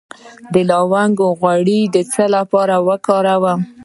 د لونګ غوړي د څه لپاره وکاروم؟